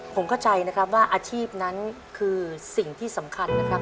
ผมเข้าใจนะครับว่าอาชีพนั้นคือสิ่งที่สำคัญนะครับ